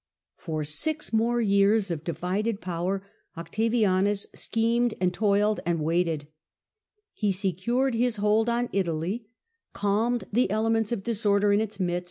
For six more years of divided power Octavianus schemed and toiled and waited. He secured his hold on Italy, calmed the elements of disorder in its midst, n.